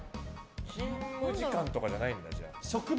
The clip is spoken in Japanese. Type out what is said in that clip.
勤務時間とかじゃないんだ。